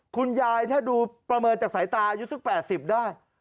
คุณยายถ้าดูประเมินจากสายตาอายุสัก๘๐ได้